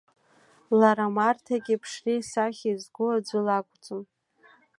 Лара Марҭагьы ԥшреи-сахьеи згу аӡәы лакәӡам.